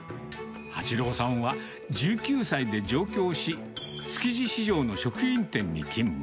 八朗さんは１９歳で上京し、築地市場の食品店に勤務。